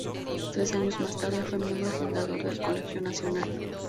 Tres años más tarde fue miembro fundador del Colegio Nacional.